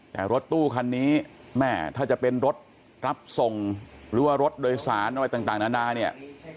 แต่รถตู้คันนี้แม่ถ้าจะเป็นรถรับส่งหรือว่ารถโดยสารอะไรต่างนานาเนี่ย